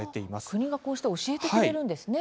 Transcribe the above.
国がこうして教えてくれるんですね。